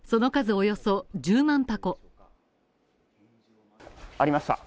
およそ１０万箱。